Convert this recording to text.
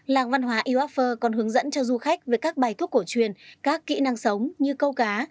làng văn hóa iwafer còn hướng dẫn cho du khách về các bài thuốc cổ truyền các kỹ năng sống như câu cá